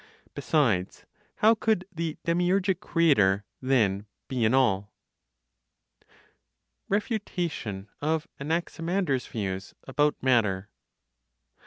Besides, how could (the demiurgic creator) then be in all? REFUTATION OF ANAXIMANDER'S VIEWS ABOUT MATTER.